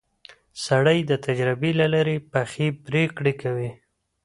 سړی د تجربې له لارې پخې پرېکړې کوي